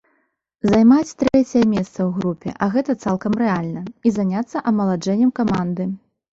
Займаць трэцяе месца ў групе, а гэта цалкам рэальна, і заняцца амаладжэннем каманды.